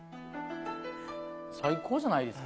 最高じゃないですか。